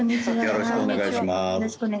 よろしくお願いします。